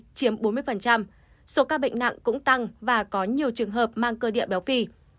trong đó trẻ em độ tuổi học cấp một cấp hai chiếm bốn mươi số ca bệnh nặng cũng tăng và có nhiều trường hợp mang cơ địa béo phi